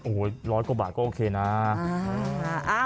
โอ้โหร้อยกว่าบาทก็โอเคนะ